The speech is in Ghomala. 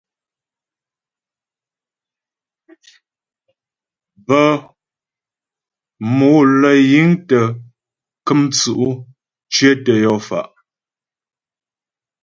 Bə́ mòm lə́ yiŋ tə́ kəm tsʉ̌' cyətə yɔ fa'.